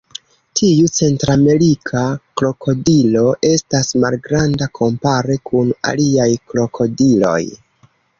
Tiu centramerika krokodilo estas malgranda kompare kun aliaj krokodiloj.